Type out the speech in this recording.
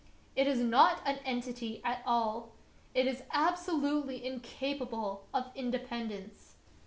It is not an entity at all. It is absolutely incapable of independ ence.